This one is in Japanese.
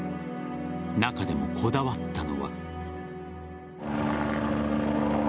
中でも、こだわったのは。